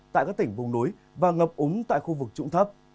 tại các tỉnh vùng núi và ngập úng tại khu vực trụng thấp